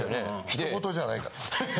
ひとごとじゃないから。